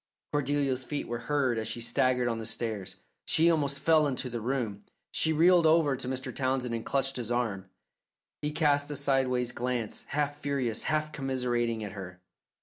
Cordelia's feet were heard as she staggered on the stairs. She almost fell into the room. She reeled over to Mr. Townsend and clutched his arm. He cast a sidewise glance, half furious, half commiserating at her.